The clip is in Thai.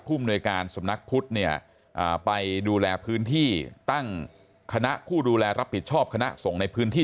มนวยการสำนักพุทธเนี่ยไปดูแลพื้นที่ตั้งคณะผู้ดูแลรับผิดชอบคณะส่งในพื้นที่